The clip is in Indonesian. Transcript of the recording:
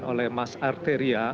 oleh mas arteria